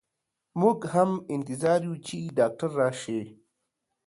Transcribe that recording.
مو ږ هم انتظار يو چي ډاکټر راشئ.